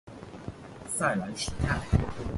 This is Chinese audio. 塞莱什泰。